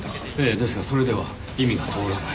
ですがそれでは意味が通らない。